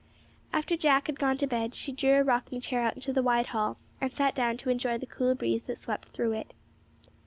After Jack had gone to bed, she drew a rocking chair out into the wide hall, and sat down to enjoy the cool breeze that swept through it.